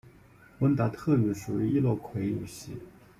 温达特语属于易洛魁语系。